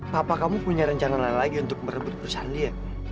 papa kamu punya rencana lain lagi untuk merebut perusahaan dia